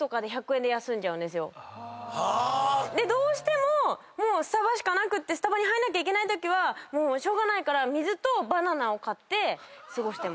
どうしてもスタバしかなくてスタバに入んなきゃいけないときはしょうがないから水とバナナを買って過ごしてます。